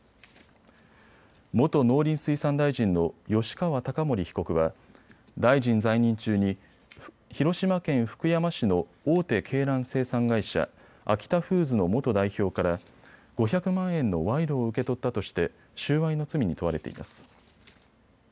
元農林水産大臣の吉川貴盛被告は大臣在任中に広島県福山市の大手鶏卵生産会社、アキタフーズの元代表から５００万円の賄賂を受け取ったとして収賄の罪に問われています。